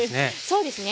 そうですね。